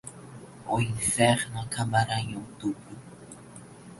O inferno acabará em outubro